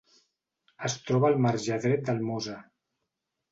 Es troba al marge dret del Mosa.